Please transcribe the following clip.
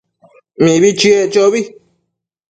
Mibi chiec chobi